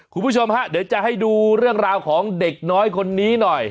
คุณผู้ชมฮะเดี๋ยวจะให้ดูเรื่องราวของเด็กน้อยคนนี้หน่อย